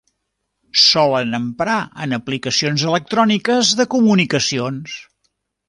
Solen emprar en aplicacions electròniques de comunicacions.